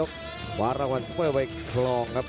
ทุกคนค่ะ